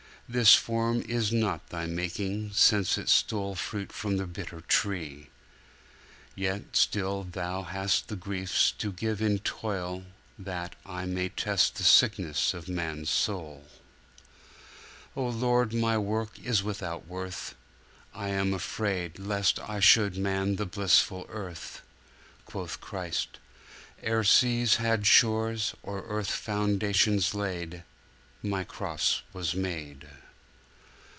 This form is not Thy making, since it stole Fruit from the bitter Tree. 'Yet still thou hast the griefs to give in toll That I may test the sickness of man's soul.' O Lord, my work is without worth! I am afraid, Lest I should man the blissful Birth. Quoth Christ, 'Ere seas had shores, or earth Foundations laid, My Cross was made!